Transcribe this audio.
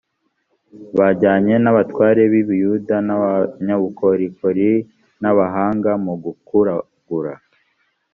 bajyanye n’ abatware b’ i buyuda n’ abanyabukorikori n’ abahanga mu gukuragura